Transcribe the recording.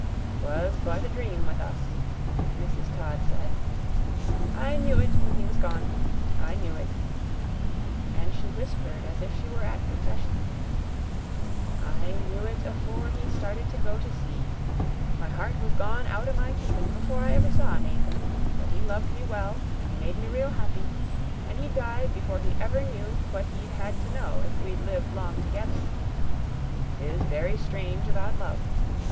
"'Twas but a dream with us," Mrs. Todd said. "I knew it when he was gone. I knew it" and she whispered as if she were at confession "I knew it afore he started to go to sea. My heart was gone out o' my keepin' before I ever saw Nathan; but he loved me well, and he made me real happy, and he died before he ever knew what he'd had to know if we'd lived long together. 'Tis very strange about love.